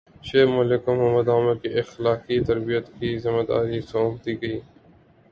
شعیب ملک کو محمد عامر کی اخلاقی تربیت کی ذمہ داری سونپ دی گئی